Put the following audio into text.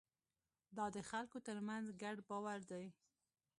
دا د خلکو ترمنځ ګډ باور دی.